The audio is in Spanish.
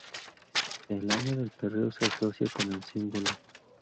El "año del perro" se asocia con el símbolo 戌.